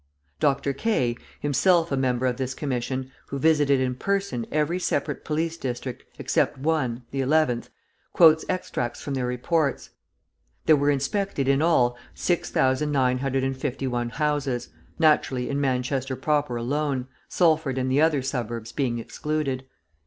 Dr. Kay, himself a member of this Commission, who visited in person every separate police district except one, the eleventh, quotes extracts from their reports: There were inspected, in all, 6,951 houses naturally in Manchester proper alone, Salford and the other suburbs being excluded.